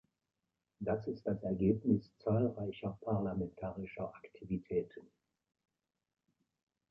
Das ist das Ergebnis zahlreicher parlamentarischer Aktivitäten.